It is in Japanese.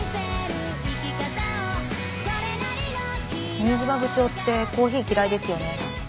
新島部長ってコーヒー嫌いですよね。